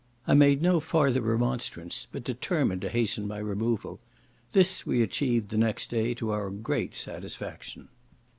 I made no farther remonstrance, but determined to hasten my removal. This we achieved the next day to our great satisfaction.